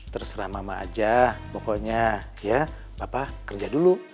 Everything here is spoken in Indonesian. terserah mama aja pokoknya ya papa kerja dulu